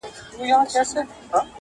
وطني نخود، کاجو او نور بلا او بتر وي